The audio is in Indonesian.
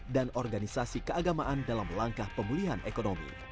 dan organisasi keagamaan dalam langkah pemulihan ekonomi